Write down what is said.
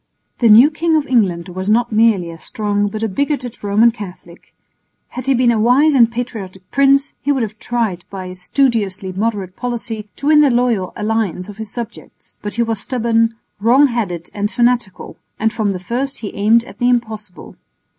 The new King of England was not merely a strong but a bigoted Roman Catholic. Had he been a wise and patriotic prince, he would have tried by a studiously moderate policy to win the loyal allegiance of his subjects, but he was stubborn, wrong headed and fanatical, and from the first he aimed at the impossible.